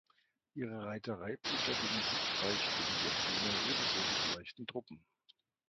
Ihre Reiterei blieb dagegen siegreich gegen die Athener ebenso wie die leichten Truppen.